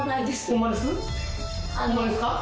ホンマですか？